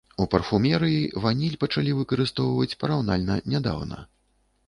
У парфумерыі ваніль пачалі выкарыстоўваць параўнальна нядаўна.